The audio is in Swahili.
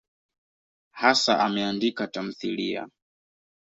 Hasa ameandika tamthiliya.